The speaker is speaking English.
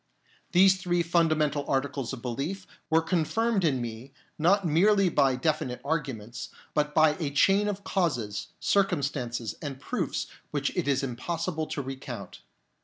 These three fundamental articles of belief were confirmed in me, not merely by definite arguments, but by a chain of causes, circumstances, and proofs which it is impossible to recount.